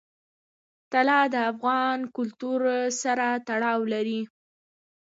طلا د افغان کلتور سره تړاو لري.